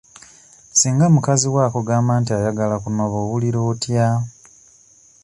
Singa mukazi wo akugamba nti ayagala kunoba owulira otya?